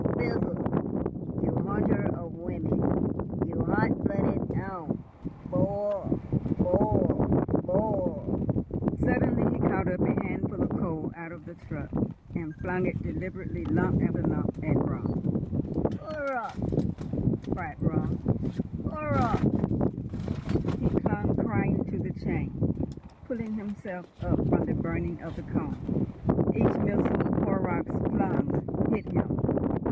Fizzle, you hunter of women! You hot blooded hound! Boil! boil! boil!" Suddenly he caught up a handful of coal out of the truck, and flung it deliberately, lump after lump, at Raut. "Horrocks!" cried Raut. "Horrocks!" He clung crying to the chain, pulling himself up from the burning of the cone. Each missile Horrocks flung hit him.